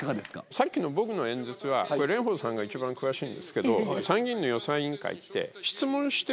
さっきの僕の演説は蓮舫さんが一番詳しいんですけど。